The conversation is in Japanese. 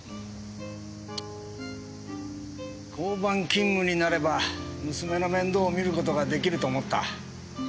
交番勤務になれば娘の面倒を見る事が出来ると思った。